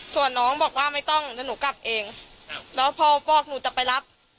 ส่วนน้องบอกว่าไม่ต้องเดี๋ยวหนูกลับเองแล้วพอบอกหนูจะไปรับ